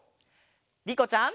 りこちゃん。